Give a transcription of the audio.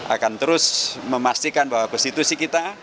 akan terus memastikan bahwa konstitusi kita